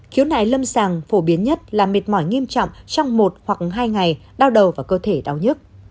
khiếu nại lâm sàng phổ biến nhất là mệt mỏi nghiêm trọng trong một hoặc hai ngày đau đầu và cơ thể đau nhức